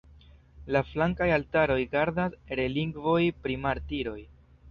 La flankaj altaroj gardas relikvojn pri martiroj.